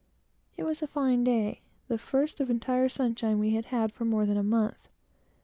It was a fine day; the first of entire sunshine we had had for more than a month.